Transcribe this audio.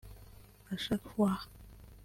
A chaque fois